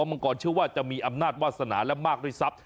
มังกรเชื่อว่าจะมีอำนาจวาสนาและมากด้วยทรัพย